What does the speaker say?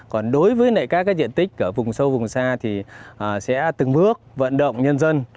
còn đối với các diện tích ở vùng sâu vùng xa thì sẽ từng bước vận động nhân dân